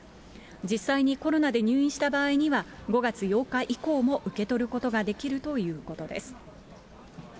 実際にコロナで入院した場合には、５月８日以降も受け取ることができるということです。